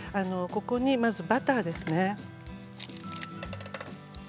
ここに、まずバターですね。